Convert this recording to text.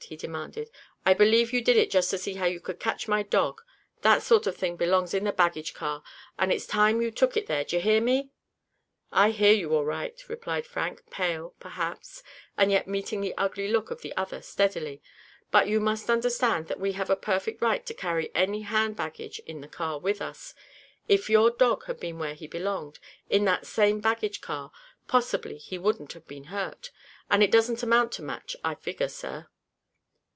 he demanded. "I believe you did it just to see how you could catch my dog. That sort of thing belongs in the baggage car—and it's time you took it there, d'ye hear me?" "I hear you all right, sir," replied Frank, pale, perhaps, and yet meeting the ugly look of the other steadily. "But you must understand that we have a perfect right to carry any hand baggage in the car with us. If your dog had been where he belonged, in that same baggage car, possibly he wouldn't have been hurt. And it doesn't amount to much, I figure, sir."